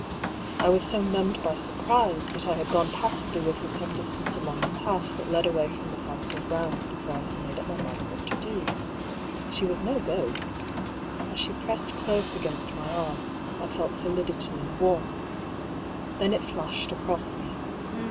I was so numbed by surprise, that I had gone passively with her some distance along the path that led away from the house or grounds before I had made up my mind what to do. She was no ghost. As she pressed close against my arm, I felt solidity and warmth. Then it flashed across me.